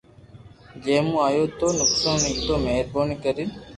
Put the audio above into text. جي مون اپو ني نقسون ھي تو مھربوبي ڪرين